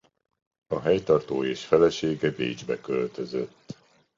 A helytartó és felesége Bécsbe költözött.